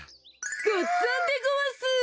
ごっつぁんでごわす。